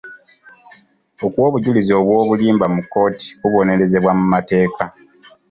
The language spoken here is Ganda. Okuwa obujulizi obw'obulimba mu kkooti kubonerezebwa mu mateeka.